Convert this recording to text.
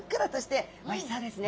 ねっおいしそうですね。